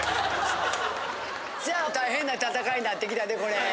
大変な戦いになってきたでこれ。